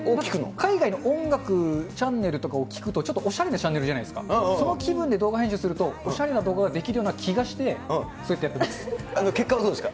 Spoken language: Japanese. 海外の音楽チャンネルとかを聞くと、ちょっとおしゃれなチャンネルじゃないですか、その気分で動画編集すると、おしゃれな動画が出来るような気がして、結果はどうですか？